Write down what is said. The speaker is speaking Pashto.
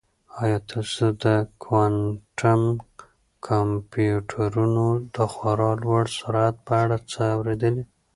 آیا تاسو د کوانټم کمپیوټرونو د خورا لوړ سرعت په اړه څه اورېدلي؟